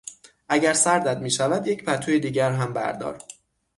اگر سردت میشود یک پتوی دیگر هم بردار.